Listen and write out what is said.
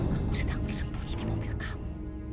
aku sedang bersembunyi di mobil kamu